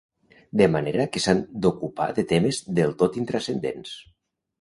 De manera que s’han d’ocupar de temes del tot intranscendents.